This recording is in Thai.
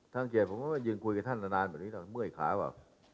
ถ้าไม่เกียจผมไม่ว่ายึงคุยกับท่านนานเป็นนี้แล้วมื้อยขาว่ะ